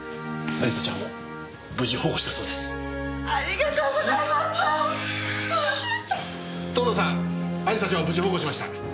亜里沙ちゃんを無事保護しました。